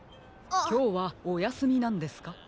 きょうはおやすみなんですか？